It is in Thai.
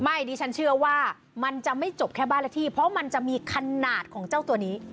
ดิฉันเชื่อว่ามันจะไม่จบแค่บ้านละที่เพราะมันจะมีขนาดของเจ้าตัวนี้